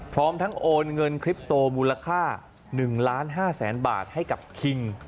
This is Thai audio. พร้อมทั้งโอนเงินคลิปโตมูลค่า๑ล้าน๕แสนบาทให้กับคิง